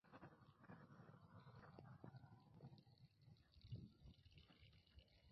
En Kyushu y Shikoku existen poblaciones residuales.